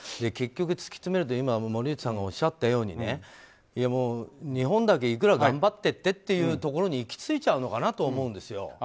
結局、突き詰めると森内さんがおっしゃったように日本だけいくら頑張ってもというところに行きついちゃうのかなと思うんですよ。